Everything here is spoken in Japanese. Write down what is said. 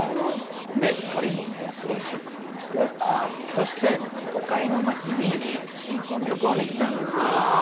で鳥もすごい祝福してそして都会の町に新こん旅行に来たんですよ。